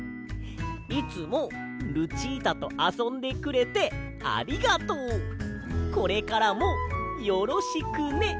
「いつもルチータとあそんでくれてありがとうこれからもよろしくね」だって！